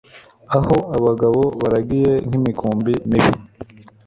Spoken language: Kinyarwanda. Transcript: aho abagabo baragiye nk'imikumbi mibi